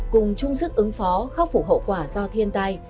cùng chung sức ứng phó khóc phủ hậu quả do thiên tai